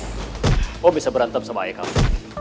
kamu bisa berantem sama ayah kamu